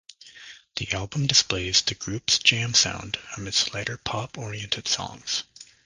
The album displays the group's jam sound amidst lighter pop-oriented songs.